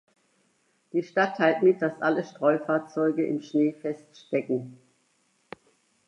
Die Stadt teilt mit, dass alle Streufahrzeuge im Schnee feststecken.